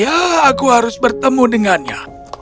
ya aku harus bertemu dengannya